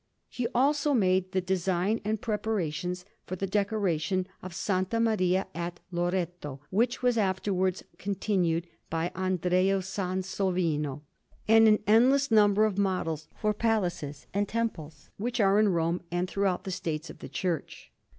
He also made the design and preparations for the decoration of S. Maria at Loreto, which was afterwards continued by Andrea Sansovino; and an endless number of models for palaces and temples, which are in Rome and throughout the States of the Church.